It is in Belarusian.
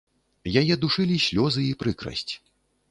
Яе душылі слёзы і прыкрасць.